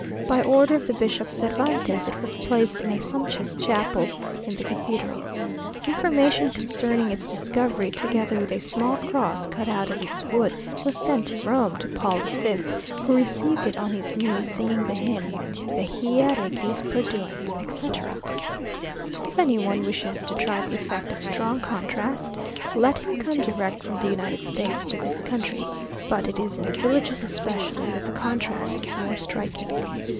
By order of the Bishop Cervantes, it was placed in a sumptuous chapel in the cathedral. Information concerning its discovery, together with a small cross cut out of its wood, was sent to Rome to Paul the Fifth, who received it on his knees, singing the hymn, "Vexilla Regis prodeunt," etc. If any one wishes to try the effect of strong contrast, let him come direct from the United States to this country; but it is in the villages especially that the contrast is most striking.